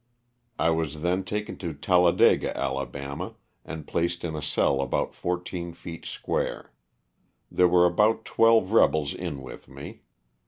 1 was then taken to Talladega, Ala., and placed in a cell about fourteen feet square. There were about twelve rebels in with me.